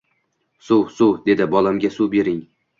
— Suv, suv... — dedi. — Bolamga suv bering.